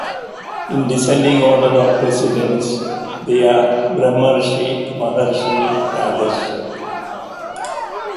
In descending order of precedence, they are Brahmarshi, Maharshi, Rajarshi.